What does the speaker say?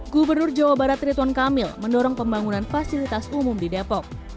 gubernur jawa barat rituan kamil mendorong pembangunan fasilitas umum di depok